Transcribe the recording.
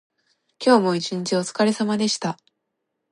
今日も一日おつかれさまでした。